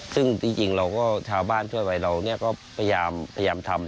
ซึ่งจริงเราก็ชาวบ้านทั่วไปเราก็พยายามทำ